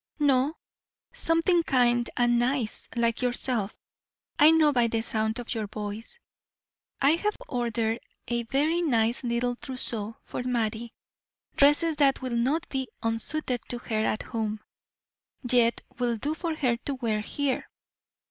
"No, something kind and nice, like yourself; I know by the sound of your voice." "I have ordered a very nice little trousseau for Mattie dresses that will not be unsuited to her at home, yet will do for her to wear here.